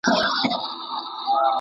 بزګر فکر کاوه چې آس به مړ شي.